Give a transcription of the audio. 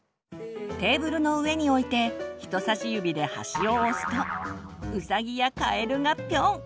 テーブルの上に置いて人さし指で端を押すとウサギやカエルがぴょん！